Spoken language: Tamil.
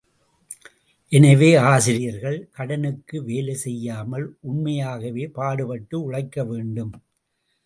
எனவே, ஆசிரியர்கள் கடனுக்கு வேலை செய்யாமல் உண்மையாகவே பாடுபட்டு உழைக்க வேண்டும்.